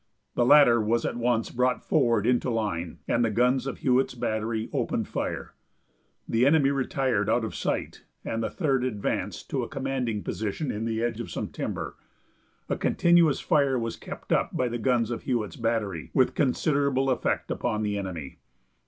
The latter was at once brought forward into line and the guns of Hewitt's Battery opened fire. The enemy retired out of sight, and the Third advanced to a commanding position in the edge of some timber. A continuous fire was kept up by the guns of Hewitt's Battery, with considerable effect upon the enemy.